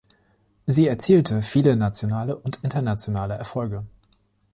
Sie erzielte viele nationale und internationale Erfolge.